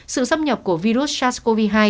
sự xâm nhập của virus sars cov hai